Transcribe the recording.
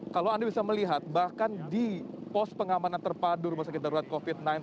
kalau anda bisa melihat bahkan di pos pengamanan terpadu rumah sakit darurat covid sembilan belas